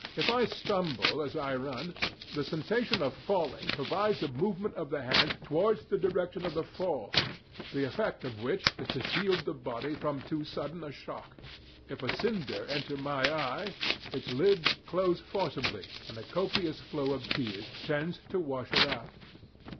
If I stumble as I run, the sensation of falling provokes a movement of the hands towards the direction of the fall, the effect of which is to shield the body from too sudden a shock. If a cinder enter my eye, its lids close forcibly and a copious flow of tears tends to wash it out.